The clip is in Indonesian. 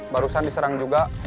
barusan diserang juga